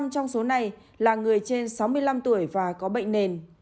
một trăm linh trong số này là người trên sáu mươi năm tuổi và có bệnh nền